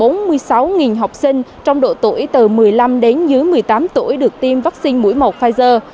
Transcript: trong đợt này sẽ có gần bốn mươi sáu học sinh trong độ tuổi từ một mươi năm đến dưới một mươi tám tuổi được tiêm vaccine mũi một pfizer